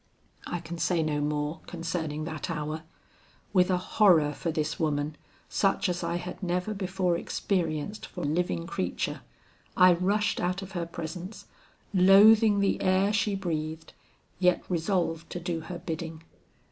"I can say no more concerning that hour. With a horror for this woman such as I had never before experienced for living creature, I rushed out of her presence, loathing the air she breathed, yet resolved to do her bidding.